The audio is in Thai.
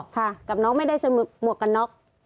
ค่ะกับน้องไม่ได้เสมอกับน้อง